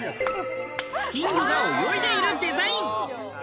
金魚が泳いでいるデザイン。